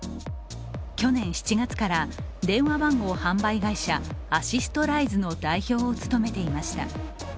去年７月から電話番号販売会社アシストライズの代表を務めていました。